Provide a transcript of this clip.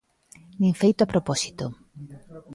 Nin feito a propósito.